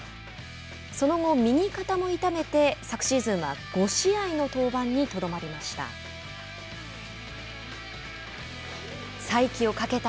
その後、右肩も痛めて昨シーズンは５試合の登板にとどまりました。